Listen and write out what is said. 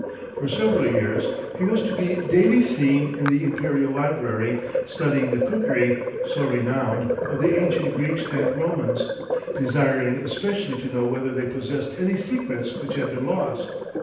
For several years he was to be daily seen in the Imperial Library, studying the cookery, so renowned, of the ancient Greeks and Romans, desiring especially to know whether they possessed any secrets which had been lost.